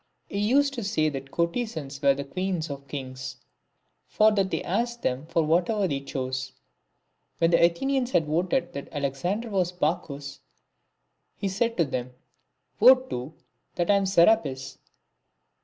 He used to say that courtesans were the queens of kings ; for that they asked them for whatever they chose. When the Athenians had voted that Alexander was Bacchus, he said to them, " Vote, too, that I am Serapis."